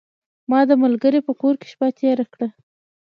ما د ملګري په کور کې شپه تیره کړه .